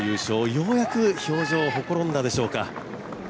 ようやく表情ほころんだでしょうか。